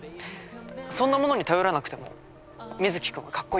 そんなものに頼らなくても水城君はかっこいいよ。